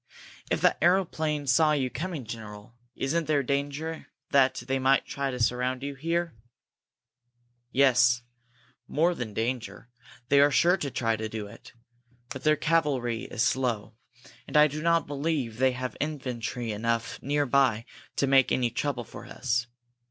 "If that aeroplane saw you coming, general," he said, "isn't there danger that they may try to surround you here?" "Yes, more than danger. They are sure to try to do it! But their cavalry is very slow, and I do not believe they have infantry enough near by to make any trouble for us."